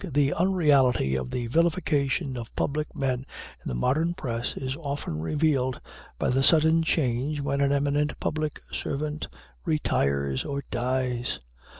The unreality of the vilification of public men in the modern press is often revealed by the sudden change when an eminent public servant retires or dies.